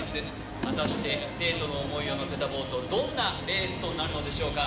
果たして、生徒の思いを乗せたボート、どんなレースとなるのでしょうか。